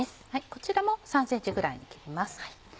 こちらも３ｃｍぐらいに切ります。